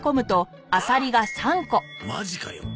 マジかよ。